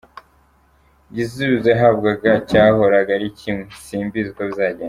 Igisubizo yahabwaga cyahoraga ari kimwe ‘simbizi uko bizagenda’.